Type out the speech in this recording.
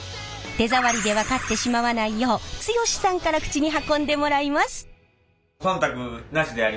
手触りで分かってしまわないよう剛さんから口に運んでもらいます。